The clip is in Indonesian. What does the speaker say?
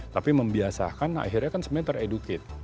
tapi membiasakan akhirnya kan sebenernya ter educate